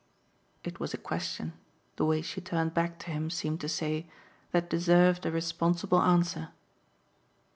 It was a question, the way she turned back to him seemed to say, that deserved a responsible answer.